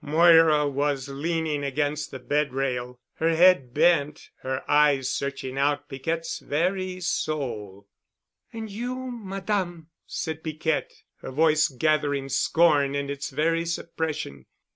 Moira was leaning against the bed rail, her head bent, her eyes searching out Piquette's very soul. "And you, Madame," said Piquette, her voice gathering scorn in its very suppression.